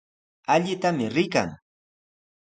Allitami rikan.